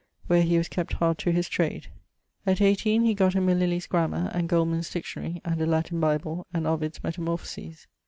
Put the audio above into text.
where he was kept hard to his trade. At 18 he gott him a Lillie's grammar, and Goldman's dictionary, and a Latin bible, and Ovid's Metamorphoses.